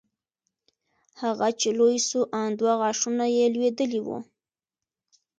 هغه چې لوى سو ان دوه غاښونه يې لوېدلي وو.